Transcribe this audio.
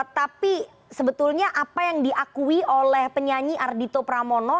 tapi sebetulnya apa yang diakui oleh penyanyi ardhito pramono